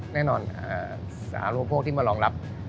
แน่นอนสหรูปโภคที่มารองรับ